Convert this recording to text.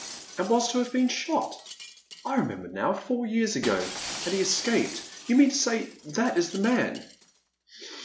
And was to have been shot? I remember now, four years ago — and he escaped — ^you mean to say that is the man